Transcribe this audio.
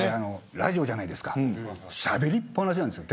ラジオじゃないですかしゃべりっぱなしなんですよ。